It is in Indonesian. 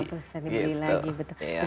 gak usah dibeli lagi betul